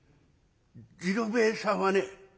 次郎兵衛さんはね